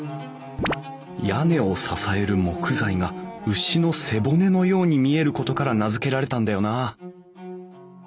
屋根を支える木材が牛の背骨のように見えることから名付けられたんだよなあ